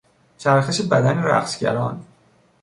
چرخش بدن رقصگران